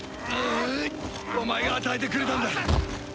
お前が与えてくれたんだ。